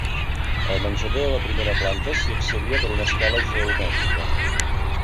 Al menjador de la primera planta s'hi accedia per una escala geomètrica.